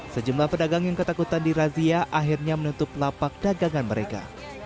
sejumlah pedagang yang ketakutan di razia akhirnya menutup lapak dagangan mereka